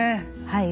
はい。